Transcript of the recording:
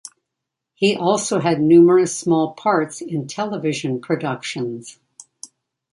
He also had numerous small parts in television productions.